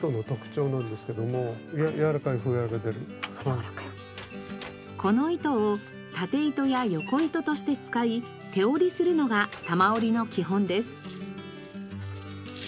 それがこの糸を縦糸や横糸として使い手織りするのが多摩織の基本です。